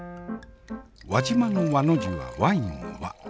輪島の「わ」の字はワインの「わ」。